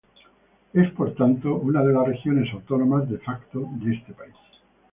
Es, por tanto, una de las regiones autónomas de facto de este país.